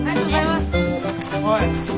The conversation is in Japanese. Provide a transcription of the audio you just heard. おい！